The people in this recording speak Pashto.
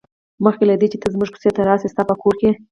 مخکې له دې چې ته زموږ کوڅې ته راشې ستا په کور کې.